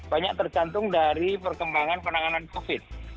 banyak tergantung dari perkembangan penanganan covid